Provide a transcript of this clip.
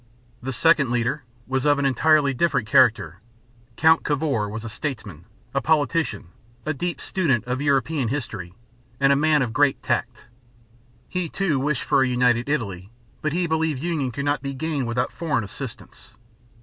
The second leader was of an entirely different character. Count Cavour (ka voor´) was a statesman, a politician, a deep student of European history, and a man of great tact. He, too, wished for a united Italy, but he believed union could not be gained without foreign assistance.